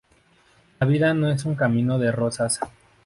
La vida no es un camino de rosas